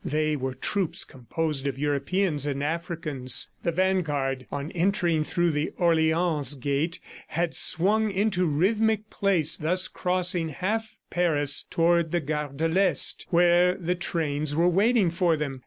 They were troops composed of Europeans and Africans. The vanguard, on entering through the Orleans gate, had swung into rhythmic pace, thus crossing half Paris toward the Gare de l'Est where the trains were waiting for them.